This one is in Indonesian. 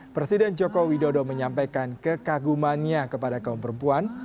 presiden joko widodo menyampaikan kekagumannya kepada kaum perempuan